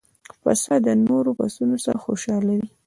پسه د نور پسونو سره خوشاله وي.